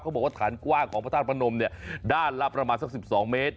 บอกว่าฐานกว้างของพระธาตุพระนมเนี่ยด้านละประมาณสัก๑๒เมตร